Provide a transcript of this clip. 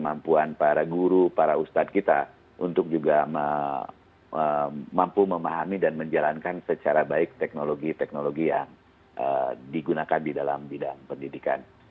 kemampuan para guru para ustadz kita untuk juga mampu memahami dan menjalankan secara baik teknologi teknologi yang digunakan di dalam bidang pendidikan